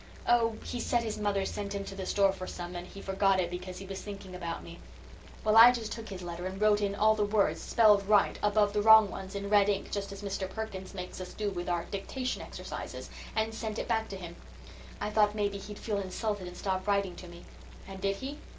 "Oh, he said his mother sent him to the store for some and he forgot it because he was thinking about me. Well, I just took his letter and wrote in all the words, spelled right, above the wrong ones, in red ink, just as Mr. Perkins makes us do with our dictation exercises, and sent it back to him. I thought maybe he'd feel insulted and stop writing to me." "And did he?"